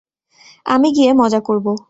আমি গিয়ে মজা করব।